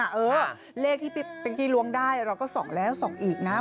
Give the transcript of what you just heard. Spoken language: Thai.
เชฟฟ้าเลขที่ไปพ็ังกี้ลวงได้เราก็ส่องแล้วส่องอีกนะ